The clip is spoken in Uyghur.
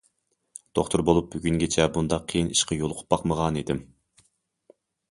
دوختۇر بولۇپ بۈگۈنگىچە بۇنداق قىيىن ئىشقا يولۇقۇپ باقمىغانىدىم.